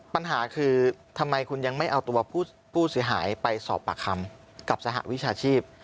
ปัญหาคือทำไมคุณยังไม่เอาตัวผู้เสียหายไปสอบปากคำกับสหวิชาชีพ